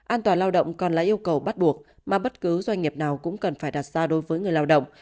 an toàn lao động còn là yêu cầu bắt buộc mà bất cứ doanh nghiệp nào cũng cần phải đặt ra đối với người lao động